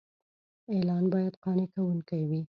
اعلان باید قانع کوونکی وي.